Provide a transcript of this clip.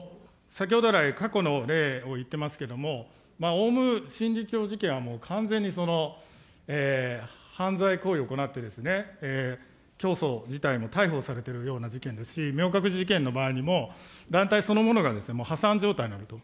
先ほど来、過去の例も言っていますけれども、オウム真理教事件はもう完全に、犯罪行為を行って、教祖自体も逮捕されてるような事件ですし、みょうかくじ事件の場合にも、団体そのものが破産状態になると。